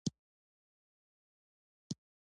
طلا د افغانستان د ټولنې لپاره بنسټيز رول لري.